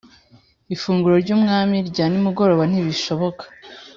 ifunguro ry Umwami rya nimugoroba ntibishoboka